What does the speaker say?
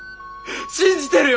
信じてるよ。